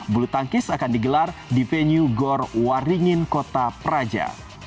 bulu tangkis akan digelar di venue gor waringin kota praja